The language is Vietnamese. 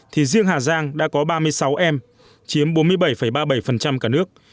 thì riêng hà giang đã có ba mươi sáu em chiếm bốn mươi bảy ba mươi bảy cả nước